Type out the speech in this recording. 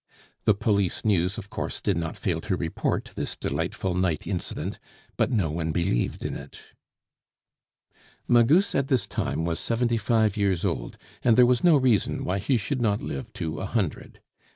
The Police News, of course, did not fail to report this delightful night incident, but no one believed in it. Magus at this time was seventy five years old, and there was no reason why he should not live to a hundred.